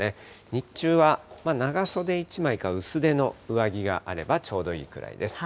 日中は長袖１枚か、薄手の上着があればちょうどいいくらいです。